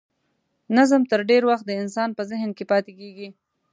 نظم تر ډېر وخت د انسان په ذهن کې پاتې کیږي.